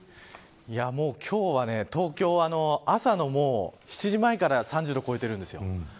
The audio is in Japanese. もう今日は東京は朝の７時前から３０度を超えているんです。